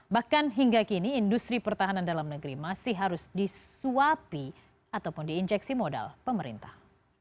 bahkan hingga kini industri pertahanan dalam negeri masih harus disuapi ataupun diinjeksi modal pemerintah